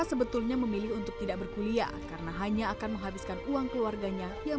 sebetulnya memilih untuk tidak berkuliah karena hanya akan menghabiskan uang keluarganya yang